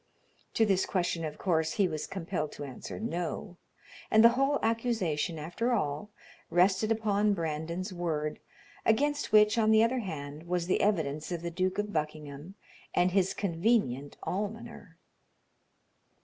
To this question, of course, he was compelled to answer no, and the whole accusation, after all, rested upon Brandon's word, against which, on the other hand, was the evidence of the Duke of Buckingham and his convenient almoner.